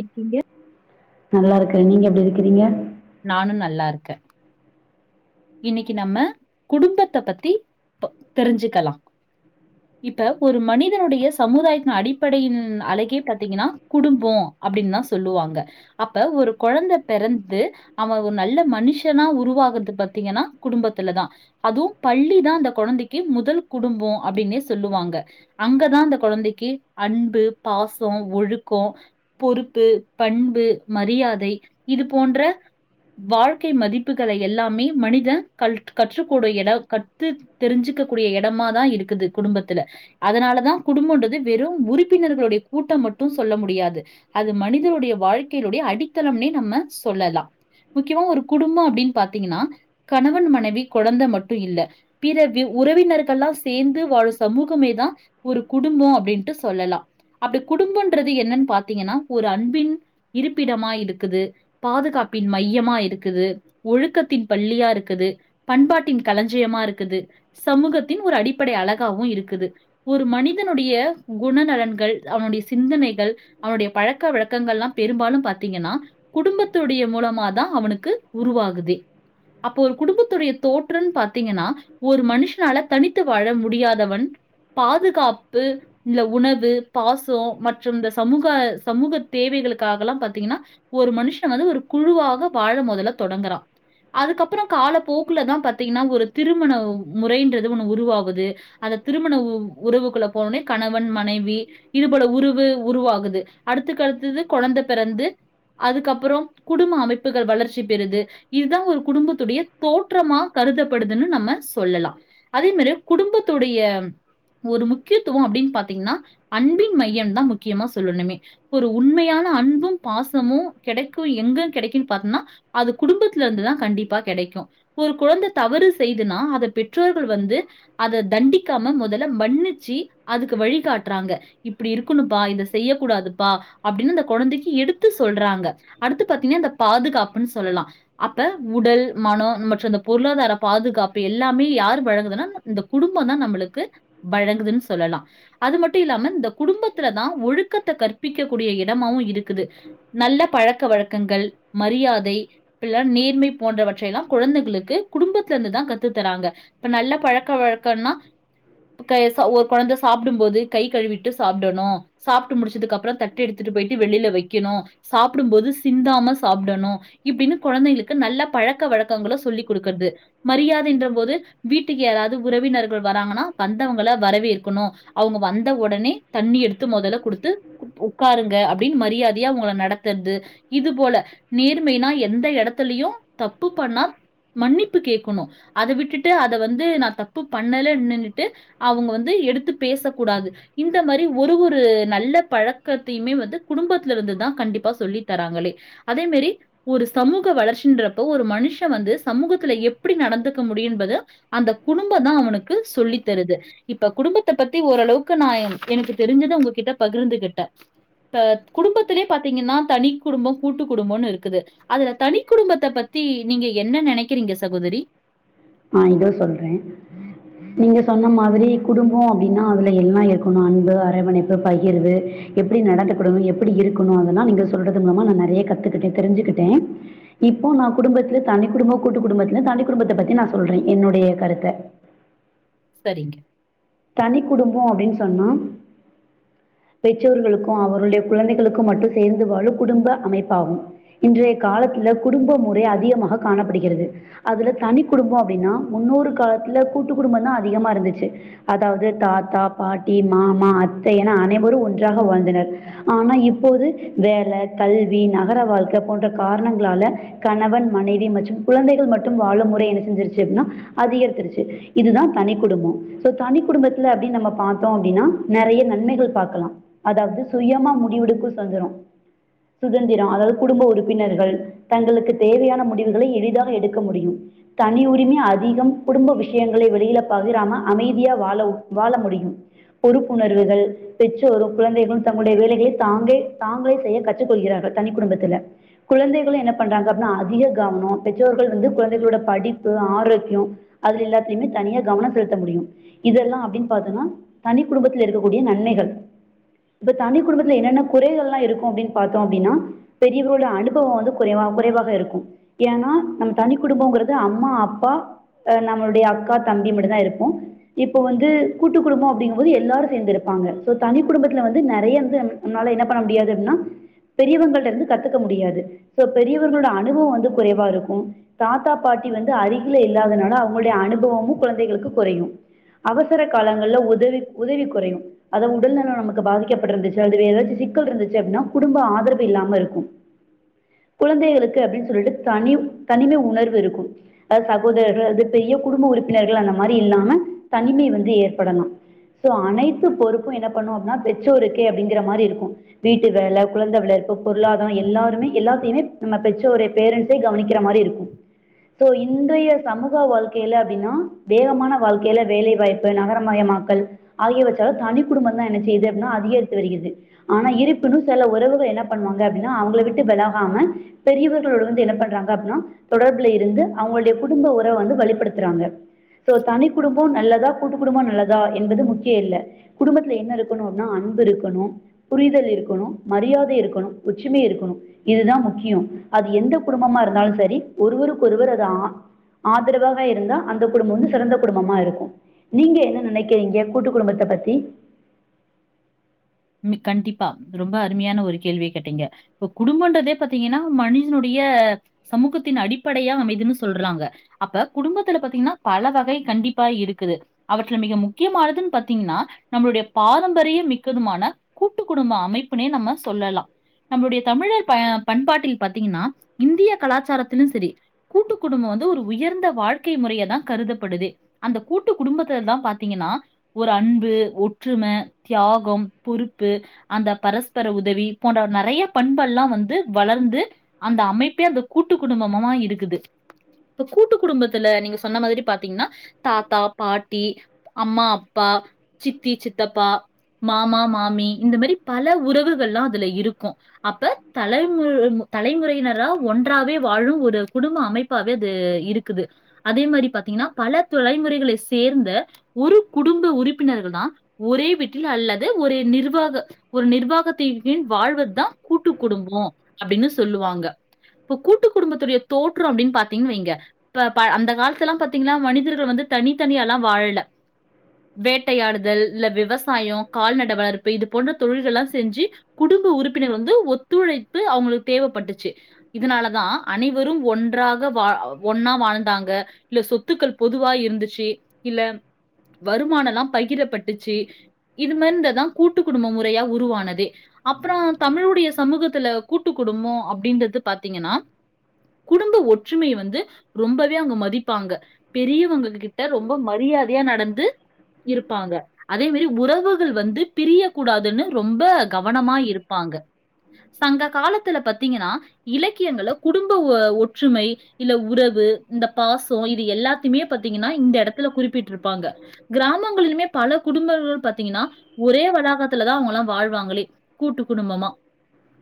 இருக்கீங்க? நல்லாருக்கே நீங்க இருக்கிறீங்க நானு நல்லாருக்கே இன்னைக்கு நம்ம குடும்பத்த பத்தி ப தெரிஞ்சுக்கலா இப்ப ஒரு மனிதனுடைய சமுதாயத்தின் அடிப்படையின் அழகே பாத்தீங்கனா குடும்பொ அப்டின் தா சொல்லுவாங்க அப்ப ஒரு கொழந்த பெறந்து அவன் ஒரு நல்ல மனுஷனா உருவாகறது பத்தி ங்கனா குடும்பத்துல தா அதுவு பள்ளி தா அந்த கொழந்தைக்கு முதல் குடும்பொ அப்டினே சொல்லுவாங்க அங்கதா அந்த கொழந்தைக்கு அன்பு பாசோ ஒழுக்கொ பொறுப்பு பண்பு மரியாதை இது போன்ற வாழ்க்கை மதிப்புகளை எல்லாமே மனிதன் க கற்றுக்கூட எடம் கத்து தெரிஞ்சுக்க கூடிய எடமா தா இருக்குது குடும்பத்துல அதனாலதா குடும்பன்றது வெறு உறுப்பினர்களுடைய கூட்டம் மட்டு சொல்ல முடியாது அது மனிதனுடைய வாழ்க்கைனுடைய அடித்தளனே நம்ம சொல்லலா முக்கியமா ஒரு குடும்பம் அப்டின் பாத்தீங்கனா கணவன் மனைவி கொழந்தை மட்டு இல்ல பிற உறவினர்கள்லா சேந்து வாழ சமூகமேதா ஒரு குடும்பம் அப்டின்ட்டு சொல்லலா அப்டி குடும்பன்றது என்னன் பாத்தீங்கனா ஒரு அன்பின் இருப்பிடமா இருக்குது பாதுகாப்பின் மையமா இருக்குது ஒழுக்கத்தின் பள்ளியா இருக்குது பண்பாட்டின் கலஞ்சியமா இருக்குது சமூகத்தின் ஒரு அடிப்படை அலகாவு இருக்குது ஒரு மனிதனுடைய குணநலன்கள் அவனுடைய சிந்தனைகள் அவனுடைய பழக்க வழக்கங்கள்லா பெரும்பாலு பாத்தீங்கனா குடும்பத்துடைய மூலமாதா அவனுக்கு உருவாகுதே அப்போ ஒரு குடும்பத்துடைய தோற்றன் பாத்தீங்கனா ஒரு மனுஷனால தனித்து வாழ முடியாதவன் பாதுகாப்பு இந்த உணவு பாசோ மற்றும் இந்த சமூக சமூக தேவைகளுக்காகலா பாத்தீங்கனா ஒரு மனுஷன வந்து ஒரு குழுவாக வாழ மொதல தொடங்குறா அதுக்கப்ற காலப் போக்குல தா பாத்தீங்கனா ஒரு திருமண முறைன்றது ஒண்ணு உருவாவுது அந்த திருமண உ உறவுக்குள்ள போனோனே கணவன் மனைவி இது போல உரவு உருவாகுது அடுத்தக்கடுத்தது கொழந்த பிறந்து அதுக்கப்ற குடும்ப அமைப்புகள் வளர்ச்சி பெறுது இதுதா ஒரு குடும்பத்துடைய தோற்றமா கருதப்படுதுன் நம்ம சொல்லலா அதே மேரி குடும்பத்துடைய ஒரு முக்கியத்துவம் அப்டின் பாத்தீங்கனா அன்பின் மையம் தான் முக்கியமா சொல்லணுமே ஒரு உண்மையான அன்பும் பாசமும் கெடைக்கும் எங்க கெடைக்கின் பாத்தனா அது குடும்பத்துலந்துதா கண்டிப்பா கெடைக்கு ஒரு கொழந்த தவறு செய்துனா அத பெற்றோர்கள் வந்து அத தண்டிக்காம முதல்ல மன்னிச்சு அதுக்கு வழிகாட்றாங்க இப்டி இருக்கணுப்பா இத செய்யக்கூடாதுப்பா அப்டின் அந்த கொழந்தைக்கு எடுத்து சொல்றாங்க அடுத்து பாத்திங்னா இந்த பாதுகாப்புன் சொல்லலா ப்ப உடல் மனோ மற்றும் பொருளாதார பாதுகாப்பு எல்லாமே யார் வழங்குதுனா இந் இந்த குடும்பம் தா நம்ளுக்கு வழங்குதுன் சொல்லலா அது மட்டு இல்லாம இந்த குடும்பத்துல தான் ஒழுக்கத்த கற்பிக்க கூடிய இடமாவு இருக்குது நல்ல பழக்க வழக்கங்கள் மரியாதை [unintelligible] [unintelligible] போன்றவற்றை எல்லா குழந்தைகளுக்கு குடும்பத்தலந்து தா கத்து தராங்க இப்ப நல்ல பழக்கழக்கனா க சே ஒரு கொழந்த சாப்டும்போது கை கழுவிட்டு சாப்டணு சாப்ட்டு முடிச்சதுக்கப்ற தட்டு எடுத்துட்டு போயிட்டு வெளில வைக்கிணு சாப்டும்போது சிந்தாம சாப்டணு இப்டினு குழந்தைகளுக்கு நல்ல பழக்க வழக்கங்கள சொல்லி குடுக்றது மரியாதைன்ற போது வீட்டுக்கு யாராது உறவினர்கள் வராங்கனா வந்தவங்கள வரவேற்கணு அவங்க வந்த உடனே தண்ணி எடுத்து மொதல குடுத்து உக்காருங்க அப்டின் மரியாதையா அவங்கள நடத்துறது இது போல நேர்மைனா எந்த எடத் துலியு தப்பு பு பண்ணா மன்னிப்பு கேக்கணு அத விட்டுட்டு அது வந்து நா தப்பு பண்ணல நின்னுகிட்டு அவங்க வந்து எடுத்து பேசக்கூடாது இந்த மரி ஒரு ஒரு நல்ல பழக்கத்தையுமே வந்து குடும்பத்துலந்துதா கண்டிப்பா சொல்லி தராங்களே அதே மாி ஒரு சமூக வளர்ச்ச ச்சி ன்றப்போ ஒரு மனுஷ வந்து சமூகத்துல எப்டி நடந்துக்க முடியும்பது அந்த குடும்ப தா அவனுக்கு சொல்லித்தருது இப்ப குடும்பத்த பத்தி ஒரளவுக்கு நா எனக்கு தெரிஞ்சத உங்ககிட்ட பகிர்ந்துகிட்டு ட இப்ப குடும்பத்துலே பாத்தீங்கனா தனி குடும்பம் கூட்டு குடும்பனு இருக்குது அதுல தனி குடும்பத்த பத்தி நீங்க என்ன நெனைக்கிறீங்க சகோதரி ஆ இதோ சொல்றே நீங்க சொன்ன மாதிரி குடும்பொ அப்டினா அதுல எல்லா இருக்கணு அன்பு அரவணைப்பு பகிர்வு எப்டி நடந்துக்கடணு எப்டி இருக்கணு அதெல்லா நீங்க சொல்றது மூலமா நா நெறைய கத்துக்கிட்டே தெரிஞ்சுக்கிட்டே இப்போ நா குடும்பத்துல தனி குடும்போ கூட்டு குடும்பத்துல தனி குடும்பத்த பத்தி நா சொல்றே என்னுடைய கருத்த சரிங்க தனி குடும்பொ அப்டின் சொன்னா பெற்றோர்களுக்கு அவருடைய குழந்தைகளுக்கு மட்டு சேந்து வாழும் குடும்ப அமைப்பாகும் இன்றைய காலத்துல குடும்ப முறை அதிகமாக காணப்படுகிறது அதுல தனி குடும்பொ அப்டினா முன்னொரு காலத்துல கூட்டு குடும்ப தா அதிகமாருந்துச்சு அதாவது தாத்தா பாட்டி மாமா அத்தை என அனைவரும் ஒன்றாக வாழ்ந்தனர் ஆனா இப்போது வேல கல்வி நகர வாழ்க்க போன்ற காரணங்களால கணவன் மனைவி மற்றும் குழந்தைகள் மட்டும் வாழும் முறை என்ன செஞ்சிருச்சு அப்டினா அதிகரித்துருச்சு இதுதா தனி குடும்பம் சோ தனி குடும்பத்துல அப்டின் நம்ம பாத்தோ அப்டினா நறைய நன்மைகள் பாக்கலா அதாவது சுயமா முடிவெடுக்கு சுதந்தரம் சுதந்திரம் அதாவது குடும்ப உறுப்பினர்கள் தங்களுக்கு தேவையான முடிவுகளை எளிதாக எடுக்க முடியும் தனி உரிமை அதிகம் குடும்ப விஷயங்களை வெளில பகிராம அமைதியா வாழவு வாழ முடியும் பொறுப்புணர்வுகள் பெற்றோரும் குழந்தைகளும் தங்களுடைய வேலைகளை தாங்கே தாங்களே செய்ய கற்று கொள்கிறார்கள் தனி குடும்பத்துல குழந்தைகளு என்ன பண்றாங்க அப்டினா அதிக கவன பெற்றோர்கள் வந்து குழந்தைகளோட படிப்பு ஆரோக்கிய அதுல எல்லாத்தலயுமே தனியா கவனம் செலுத் முடியு இதெல்லா அப்டின் பாத்தனா தனி குடும்பத்தில் இருக்கக்கூடிய நன்மைகள் இப்ப தனி குடும்பத்துல என்னென்ன குறைகள்லா இருக்கு அப்டின் பாத்தோ அப்டினா பெரியவர்களோட அனுபவம் வந்து குறை குறைவாகருக்கு ஏனா நம் தனி குடும்ப ங்கறது அம்மா அப்பா ஆ நம்மளுடைய அக்கா தம்பி மட்டு தா இரு க்கு இப்போ வந்து கூட்டு குடும்பொ அப்டிங்கம்போது எல்லாரு சேந்து இருப்பாங்க சோ தனி குடும்பத்துல வந்து நறைய வந்து நம்ளால என்ன பண்ண முடியாது அப்னா பெரியவங்கட்டருந்து கத்துக்க முடியாது பெரியவர்களோட அனுபவம் வந்து குறைவாருக்கு தாத்தா பாட்டி வந்து அருகில இல்லாதனால அவங்களுடைய அனுபவமு குழந்தைகளுக்கு குறையு அவசர காலங்கள்ல உதவி உதவி குறையு அதா உடல்நலம் நமக்கு பாதிக்கப்பட்ருந்துச்சு அதுல ஏதாச் சிக்கல்ருந்துச்சு அப்டினா குடும்ப ஆதரவு இல்லாமருக்கு குழந்தைகளுக்கு அப்டின் சொல்லிட்டு தனி தனிமை உணர்வுருக்கு அதா சகோதரர்கள் அது பெரிய குடும்ப உறுப்பினர்கள் அந்த மாரி இல்லாம தனிமை வந்து ஏற்படலாம் சோ அனைத்து பொறுப்பு என்ன பண்ணு அப்புனா பெற்றோருக்கே அப்டிங்ற மாரி ருக்கு வீட்டு வேல குழந்த பொருளாதாரம் எல்லாருமே எல்லா நம்ம பெற்றோரே பேரன்ட்டே கவனிக்கற மாரிருக்கு சோ இன்றைய சமூக வாழ்க்கைல அப்டினா வேகமான வாழ்க்கைல வேலைவாய்ப்பு நகரமயமாக்கல் ஆகியவற்றாலு தனி குடும்ப தா என்ன செய்யுது அப்டினா அதிகரித்து வருகிறது ஆனா இருப்பினு செல உறவுகள் என்ன பண்ணுவாங்க அப்டினா அவங்கள விட்டு வெலகாம பெரியவர்களோட வந்து என்ன பண்றாங்க அப்புன்னா தொடர்புல இருந்து அவங்களுடைய குடும்ப உறவ வந்து வலுப்படுத்துறாங்க தா கூட்டு குடும்பம் நல்லதா என்பது முக்கிய இல்ல குடும்பத்துல என்ன இருக்கணு அப்புனா அன்பு இருக்கணு புரிதல் இருக்கணு மரியாதை இருக்கணு ஒற்றுமை இருக்கணு இதுதா முக்கியோ அது எந்த குடும்பமாருந்தாலு சரி ஒருவருக்கு ஒருவர் அது ஆதரவாக இருந்தா அந்த குடும்பம் வந்து சிறந்த குடும்பமாருக்கு நீங்க என்ன நெனைக்கிறீங்க கூட்டு குடும்பத்த பத்தி கண்டிப்பா ரொம்ப அருமையான ஒரு கேள்விய கேட்டீங்க இப்ப குடும்பன்றதே பாத்தீங்கனா மனிஷனுட சமூகத்தின் அடிப்படையா அமைதுன் சொல்றாங்க அப்ப குடும்பத்துல பாத்தீங்கனா பல வகை கண்டிப்பா இருக்குது அவற்றுல மிக முக்கியமானதுன் பாத்தீங்கனா நம்மளுடைய பாரம்பரிய மிக்கதுமான கூட்டு குடும்ப அமைப்புனே நம்ம சொல்லலா நம்முடைய தமிழர் ப பண்பாட்டில் பாத்தீங்கனா இந்திய கலாச்சாரத்திலும் சரி கூட்டு குடும்பம் வந்து ஒரு உயர்ந்த வாழ்க்கை முறைய தான் கருதப்படுதே அந்த கூட்டு குடும்பத்தல தா பாத்தீங்கனா ஒரு அன்பு ஒற்றும தியாகம் பொறுப்பு அந்த பரஸ்பர உதவி போன்ற நறைய பண்பெல்லாம் வந்து வளர்ந்து அந்த அமைப்பே அந்த கூட்டு குடும்பமமா இருக்குது இப்ப கூட்டு குடும்பத்துல நீங்க சொன்ன மாதிரி பாத்தீங்னா தாத்தா பாட்டி அம்மா அப்பா சித்தி சித்தப்பா மாமா மா மாமி இந்த மரி பல உறவுகள்லா அதுல இருக்கு அப்ப தலைமு தலைமுறையினரா ஒன்றாவே வாழு ஒரு குடும்ப அமைப்பாவே அது இருக்குது அதே மாரி பாத்தீங்னா பல தலைமுறைகளை சேர்ந்த ஒரு குடும்ப உறுப்பினர்கள் தா ஒரே வீட்டில் அல்லது ஒரு நிர்வாக ஒரு நிர்வாகத்தை வின் வாழ்வத்தா கூட்டு குடும்போ அப்டின்னு சொல்லுவாங்க இப்ப கூட்டு குடும்பத்துடைய தோற்றோ அப்டின் பாத்தீங்னு வெய்ங்க ப ப அந்த காலத்துலா பாத்திங்ன்னா மனிதர்கள் வந்து தனித்தனியாலா வாழல வேட்டையாடுதல் இல்ல விவசாயோ கால்நட வளர்ப்பு இது போன்ற தொழில்கள்லா செஞ்சி குடும்ப உறுப்பினர்கள் வந்து ஒத்துழைப்பு அவுங்களுக் தேவைப்பட்டுச்சி இதனாலதா அனைவரும் ஒன்றாக வா ஒன்னா வாழ்ந்தாங்க இல்ல சொத்துக்கள் பொதுவா இருந்துச்சி இல்ல வருமானல்லா பகிரப்பட்டுச்சி இது மென்ந்ததா கூட்டு குடும்ப முறையா உருவானதே அப்புறோ தமிழ் உடைய சமூகத்துல கூட்டு குடும்போ அப்டின்றது பாத்தீங்கனா குடும்ப ஒற்றுமைய வந்து ரொம்பவே அவுங்க மதிப்பாங்க பெரியவங்க கிட்ட ரொம்ப மரியாதையா நடந்து இருப்பாங்க அதே மேரி உறவுகள் வந்து பிரியக்கூடாதுன்னு ரொம்ப கவனமா இருப்பாங்க சங்க காலத்துல பத்தீங்கனா இலக்கியங்கள குடும்ப ஒ ஒற்றுமை இல்ல உறவு இந்த பாசோ இது எல்லாத்திமே ப த்திங்கன்னா இந்த எடத்துல குறிப்பிட்ருப் பாங்க கிராமங்களிலுமே பல குடும்பங்கள் அ ஒரே வளாகத்துலதா அவுங்கல்லா வாழ்வாங்களே கூட்டு குடும்பமா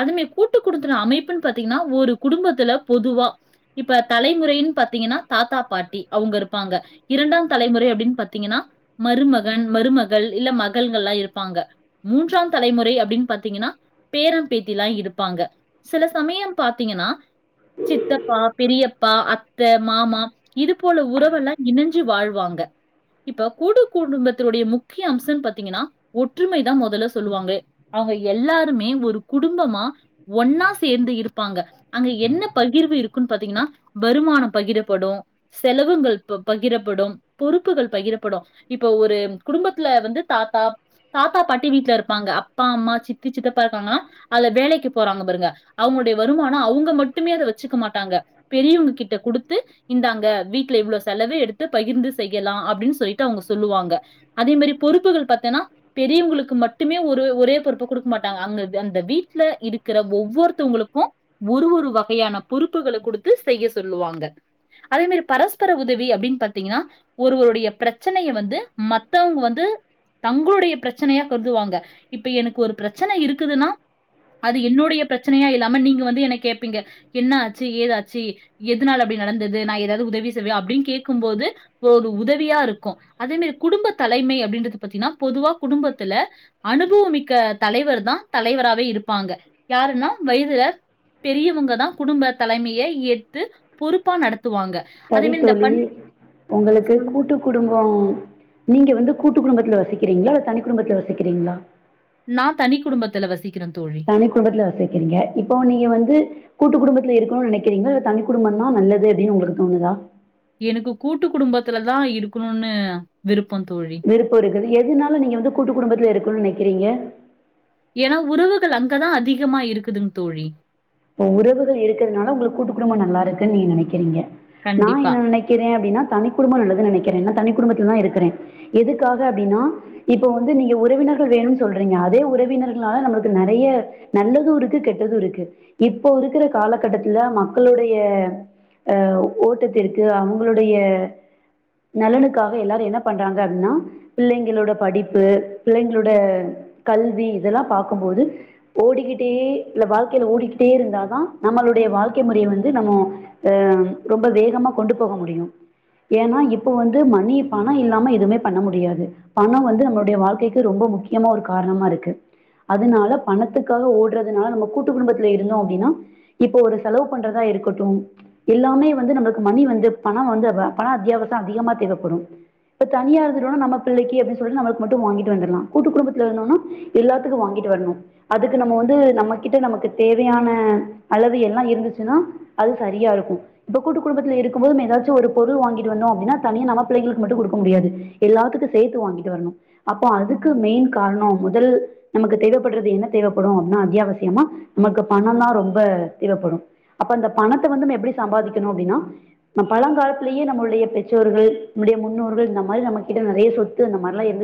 அதுமே கூட்டு குடுத்துல அமைப்புன் பாத்திங்கனா ஒரு குடும்பத்துல பொதுவா இப்ப தலைமுறையின் பாத்திங்கனா தாத்தா பாட்டி அவுங்க இருப்பாங்க இரண்டாம் தலைமுறை அப்டின் பத்தீங்கனா மருமகன் மருமகள் இல்ல மகள்கள்லா இருப்பாங்க மூன்றாம் தலைமுறை அப்டின் பாத்தீங்கனா பேரம்பேத்திலா இருப்பாங்க சில சமயம் பாத்தீங்கன்னா சித்தப்பா பெரியப் ப்பா அத்தை மாமா இது போல உறவெல்லா இனஞ்சு வாழ்வாங்க இப்ப கூடு குடும்பத்துடைய மு க்கிய அம்சன் பாத்தீங்கனா ஒற்றுமைதா மொதல்ல சொல்லுவாங்கே அவுங்க எல்லாருமே ஒரு குடும்பமா ஒன்னா சேர்ந்து இருப்பாங்க அங்க என்ன பகிர்வு இருக்குன் பாத்தீங்கனா வருமானம் பகிரப்படு செலவுங்கள் ப பகிரப்படும் பொறுப்புகள் பகிரப்படு இப்போ ஒரு குடும்பத்ல வந்து தாத்தா தாத்தா பாட்டி வீட்ல இருப்பாங்க அப்பா அம்மா சித்தி சித்தப்பா இருக்காங்களா அல வேலைக்கு போறாங்க பருங்க அவுங்களுடைய வருமானோ அவுங்க மட்டுமே அத வெச்சுக்க மாட்டாங்க பெரியவங்க கிட்ட குடுத்து இந்தாங்க வீட்ல இவ்ளோ செலவு எடுத்து பகிர்ந்து செய்யலா அப்டின் சொல்லிட்டு அவுங்க சொல்லுவாங்க அதே மாரி பொறுப்புகள் பாத்தேனா பெரியவங்குளுக்கு மட்டுமே ஒரு ஒரே பொறுப்ப குடுக்க மாட்டாங்க அங்க அந்த வீட்ல இருக்கிற ஒவ்வொருத்தவுங்களுக்கு ஒரு ஒரு வகையான பொறுப்புகள குடுத்து செய்ய சொல்லுவாங்க அதே மாரி பரஸ்பர உதவி அப்டின் பத்தீங்கனா ஒருவருடைய பிரச்சனைய வந்து ம த்தவங்க வந்து தங்களுடைய பிரச்சனையா கருதுவாங்க இப்ப எனக்கு ஒரு பிரச்சன இருக்குதுன்னா அது என்னுடைய பிரச்சனையா இல்லாம நீங்க வந்து என்ன கேப்பீங்க என்ன ஆச்சி ஏதாச்சி எதுனால அப்டி நடந்தது நா எதாது உதவி செய்வியா அப்டின் கேக்கும் போது ப‌ ஒரு உதவியாருக்கு அதே மாரி குடும்ப தலைமை அப்டின்றது பத்தினா பொதுவா குடும்பத்துல அனுபவமிக்க தலைவர் தா தலைவராவே இருப்பாங்க யாருன்னா வயதுல பெரியவங்க தா குடும்ப தலைமைய ஏத்து பொறுப்பா நட சரித்தொழி உங்களுக்கு சொல்லுங்க. கூட்டு குடும்போ நீங்க வந்து கூட்டு குடும்பத்ல வசிக்கிறிங்ளா இல்ல தனி குடும்பத்ல வசிக்கிறிங்ளா நா தனி குடும்பத்துல வசி தனி குடும்பத்ல வசிக்கிறிங்க இப்போ நீங்க வந்து கூட்டு குடும்ப இருக்கணு நெனைக்கிறீங்ளா இல்ல தனி குடும்பந்தா நல்லது அப்டின் உங்ளுக்கு தோணுதா எனுக்கு கூட்டு குடும்பத்துல தா இருக்கணுன்னு விரு விருப்போ இருக்குது எதுனால நீங்க வந்து கூட்டு குடும்பத்துல இருக்கணுன் நென க்கிறீங்க ஏனா உறவுகள் அங்கதா அதிகமா இருக்குதுங் தோழி ஓ உறவுகள் இருக்கறதுனால உங்களுக் கூட்டு குடும்போ நல்லா இருக்குன் நீ நெனைக்கிறீங்க நா கண்டிப்பா. என்ன நெனைக்கிறே அப்டினா தனி குடும்போ நல்லதுன் நெனைக்கிறே ஏனா தனி குடும்பத்திலதா இருக்கிறே எதுக்காக அப்டினா இப்ப வந்து நீங்க உறவினர்கள் வேணுன் சொல்றீங்க அதே உறவினர்களால நம்மளுக்கு நறைய நல்லது இருக்கு கெட்டது இருக்கு இப்போ இருக்கிற காலகட்டத்துல மக்களுடைய அ ஓட்டத்திற்கு அவுங்களுடைய நலனுக்காக எல்லாரு என்ன பண்றாங்க அப்னா பிள்ளைங்களோட படிப்பு பிள்ளைங்களோட கல்வி இதெல்லா பாக்கும்போது ஓடிக்கிட்டே இல்ல வாழ்க்கையில ஓடி ட்டேருந்தா தா நம்மளுடைய வாழ்க்கை முறைய வந்து நம்மோ எ ரொம்ப வேகமா கொண்டு போக முடியு ஏன்னா இப்ப வந்து மணி பணோ இல்லாம எதுமே பண்ண முடியாது பணோ வந்து நம்மளுடைய வாழ்க்கைக்கு ரொம்ப முக்கியமா ஒரு காரணமாருக்கு அதுனால பணத்துக்காக ஓட்றதுனால நம்ம கூட்டு குடும்ப ல இருந்தோ அப்டினா இப்ப ஒரு செலவு பண்றதா இருக்கட்டும் எல்லாமே வந்து நம்மள்க் மணி வந்து பணோ வந்து வ பண அத்தியாவச அதிகமா தேவைப்படும் இப்ப தனியா இருந்துடோனா நம்ம பிள்ளைக்கி அப்டின் சொல் நம்மள்க்கு மட்டு வாங்கிட்டு வந்தர்லா கூட்டு குடும்பத்துல இருந்தோனா எல்லாத்துக்கு வாங்கிட்டு வர்ணு அதுக்கு நம்மோ வந்து நம்ம கிட்ட நமக்கு தேவையான அளவு எல்லா இருந்துச்சுனா அது சரியாருக்கு இப்ப கூட்டு குடும்பத்துல இருக்கும் போது ஒன்னு எதாச்சு ஒரு பொருள் வாங்கிட்டு வர்ணு அப்டினா தனியா நம்ம பிள்ளைகளுக்கு மட்டு குடுக்க முடியாது எல்லாத்துக்கு சேத்து வாங்கிட்டு வரணு அப்போ அதுக்கு மெயின் கார்ணோ முதல் நமக்கு தேவைப்பட்றது என்ன தேவைப்படு அப்னா அத்தியாவசியமா நமக்கு பணம் தான் ரொம்ப தேவைப்படும் அப்ப அந்த பணத்தை வந்து நம்ம எப்படி சம்பாதிக்கணும் அப்படின்னா நம்ம பழங்காலத்திலேயே நம்மளுடைய பெற்றோர்கள் நம்முடைய முன்னோர்கள் இந்த மாதிரி நம்ம கிட்ட நிறைய சொத்து அந்த மாதிரிலாம் இருந்துச்சு